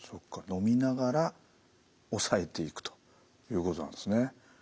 のみながら抑えていくということなんですね。